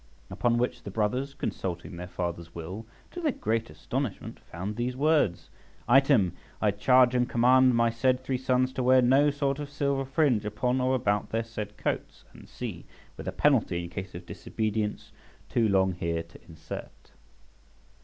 Upon which the brothers, consulting their father's will, to their great astonishment found these words: "Item, I charge and command my said three sons to wear no sort of silver fringe upon or about their said coats," &c., with a penalty in case of disobedience too long here to insert.